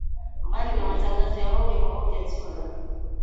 Mbali na matangazo ya moja kwa moja tuna